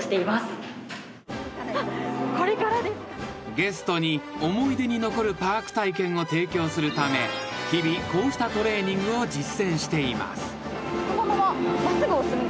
［ゲストに思い出に残るパーク体験を提供するため日々こうしたトレーニングを実践しています］